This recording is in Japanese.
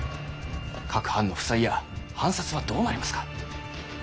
各藩の負債や藩札はどうなりますか？